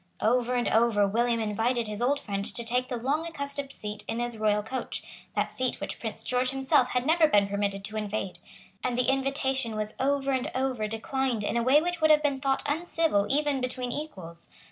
Over and over William invited his old friend to take the long accustomed seat in his royal coach, that seat which Prince George himself had never been permitted to invade; and the invitation was over and over declined in a way which would have been thought uncivil even between equals.